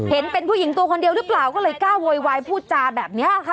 เห็นเป็นผู้หญิงตัวคนเดียวหรือเปล่าก็เลยกล้าโวยวายพูดจาแบบนี้ค่ะ